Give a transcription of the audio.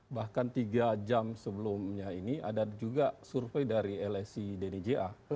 bahkan tiga jam sebelumnya ini ada juga survei dari lsi deni ja